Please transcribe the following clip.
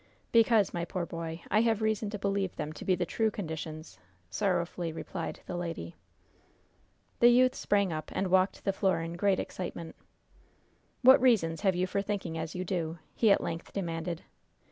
"Because, my poor boy, I have reason to believe them to be the true conditions," sorrowfully replied the lady. The youth sprang up and walked the floor in great excitement. "What reasons have you for thinking as you do?" he at length demanded.